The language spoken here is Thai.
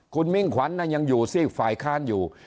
คุณมิ่งขวัญยังอยู่ซีกฝ่ายค้านอยู่